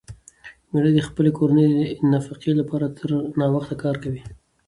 مېړه د خپلې کورنۍ د نفقې لپاره تر ناوخته کار کوي.